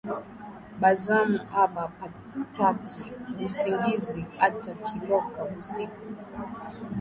Ba zamu aba pataki busingizi ata kiloko busiku